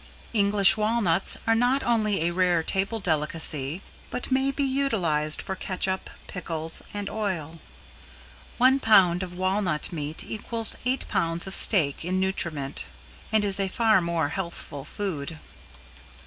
English Walnuts are not only a rare table delicacy, but may be utilized for catsup, pickles and oil. One pound of walnut meat equals eight pounds of steak in nutriment and is a far more healthful food.